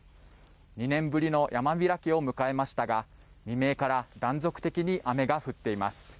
２年ぶりの山開きを迎えましたが未明から断続的に雨が降っています。